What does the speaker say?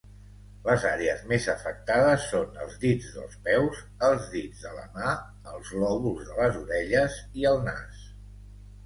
Les àrees més afectades són els dits dels peus, els dits de la mà, els lòbuls de les orelles, i el nas.